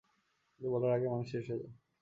কিন্তু বলার আগেই মানুষ শেষ হয়ে যায়।